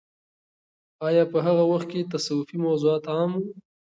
آیا په هغه وخت کې تصوفي موضوعات عام وو؟